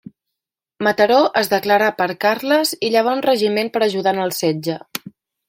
Mataró es declarà per Carles i llevà un regiment per ajudar en el setge.